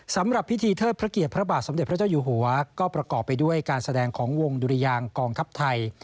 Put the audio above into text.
สำหรับพิธีเทิดพระเกียรติพระบาทสมเด็จพระเจ้าอยู่หัวก็ประกอบไปด้วยการแสดงของวงดุรยางกองทัพไทย